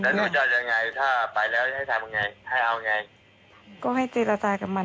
แล้วหนูจะยังไงถ้าไปแล้วให้ทำยังไง